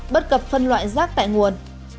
bất cập phân loại rác tại nguồn